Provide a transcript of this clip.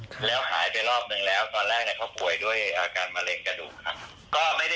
ตอนแรกเขาป่วยด้วยอาการมะเร็งกระดูกครับ